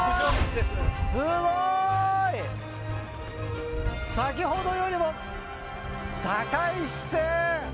すごい！先ほどよりも高い視線。